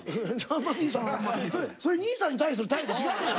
それ兄さんに対する態度と違うよ。